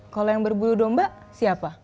kalau yang berburu domba siapa